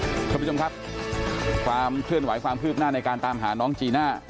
คุณผู้ชมครับความเคลื่อนไหวความคืบหน้าในการตามหาน้องจีน่า